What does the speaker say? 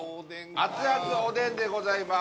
熱々おでんでございます。